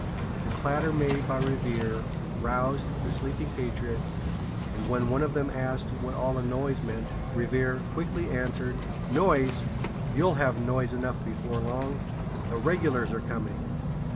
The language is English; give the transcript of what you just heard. The clatter made by Revere roused the sleeping patriots, and when one of them asked what all this noise meant, Revere quickly answered: "Noise! You'll have noise enough before long. The regulars are coming!"